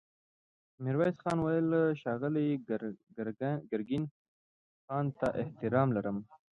ميرويس خان وويل: ښاغلي ګرګين خان ته احترام لرم.